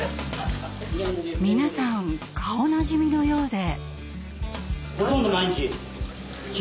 皆さん顔なじみのようで。